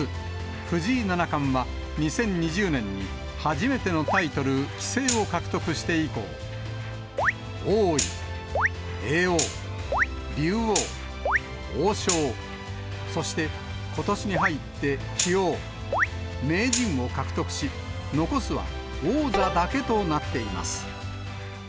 藤井七冠は２０２０年に、初めてのタイトル、棋聖を獲得して以降、王位、叡王、竜王、王将、そして、ことしに入って棋王、名人を獲得し、残すは王座だけとなっています。